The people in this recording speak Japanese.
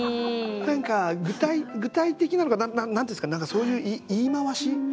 何か具体的なのか何て言うんですかそういう言い回し？